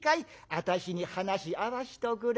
私に話合わしておくれよ。